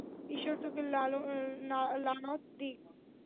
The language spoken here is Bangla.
ঈশ্বর তোকে লানত দিক!